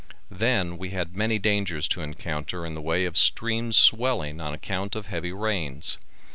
Then we had many dangers to encounter in the way of streams swelling on account of heavy rains.